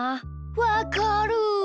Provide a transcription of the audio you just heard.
わかる。